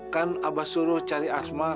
kan abah suruh cari asma